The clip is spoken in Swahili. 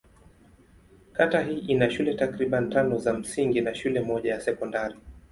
Kata hii ina shule takriban tano za msingi na shule moja ya sekondari.